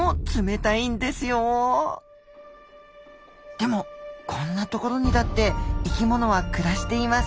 でもこんな所にだって生きものは暮らしています。